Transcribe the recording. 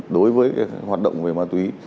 đối với hoạt động về ma túy